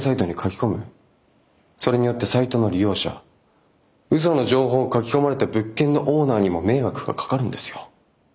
それによってサイトの利用者嘘の情報を書き込まれた物件のオーナーにも迷惑がかかるんですよ。